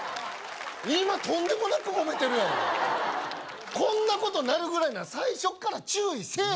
今とんでもなくモメてるやろこんなことなるぐらいなら最初っから注意せえよ！